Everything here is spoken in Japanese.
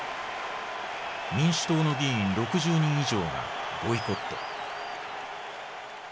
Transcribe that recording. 民主党の議員６０人以上がボイコット。